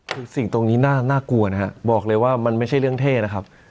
คือสิ่งตรงนี้น่ากลัวนะฮะบอกเลยว่ามันไม่ใช่เรื่องเท่นะครับ